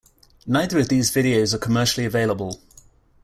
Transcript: Neither of these videos are commercially available.